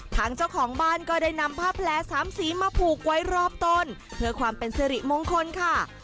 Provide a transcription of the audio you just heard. ทางเจ้าของบ้านก็ได้นำผ้าแผลสามสีมาผูกไว้รอบต้นเพื่อความเป็นสิริมงคลค่ะ